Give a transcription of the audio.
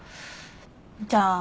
じゃあ私